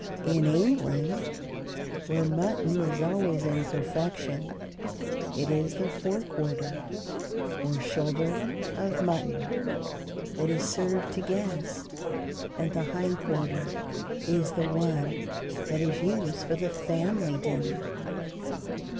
In England, where mutton is always in perfection, it is the fore quarter or shoulder of mutton that is served to guests, and the hind quarter is the one that is used for the family dinner.